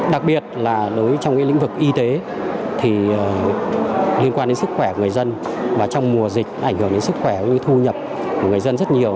đặc biệt là đối với trong lĩnh vực y tế thì liên quan đến sức khỏe của người dân và trong mùa dịch ảnh hưởng đến sức khỏe của người dân rất nhiều